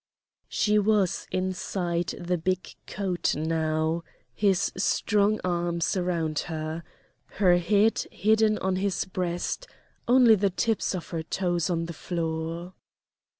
She was inside the big coat now, his strong arms around her, her head hidden on his breast, only the tips of her toes on the floor.